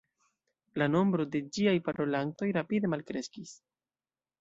La nombro de ĝiaj parolantoj rapide malkreskis.